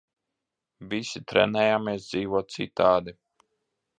Visi trenējamies dzīvot citādi.